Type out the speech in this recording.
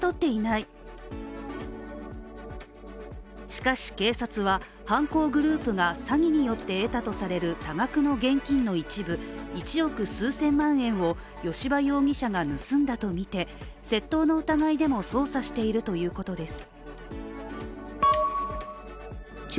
しかし、警察は犯行グループが詐欺によって得たとされる多額の現金の一部、１億数千万円を吉羽容疑者が盗んだとみて、窃盗の疑いでも捜査しているということです。